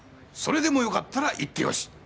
それでもよかったら行ってよし。